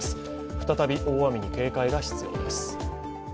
再び大雨に警戒が必要です。